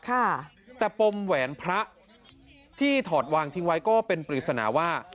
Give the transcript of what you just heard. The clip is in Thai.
ค่ะแต่ปมแหวนพระที่ถอดวางทิ้งไว้ก็เป็นปริศนาว่า